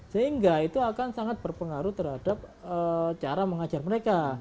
sehingga itu akan sangat berpengaruh terhadap cara mengajar mereka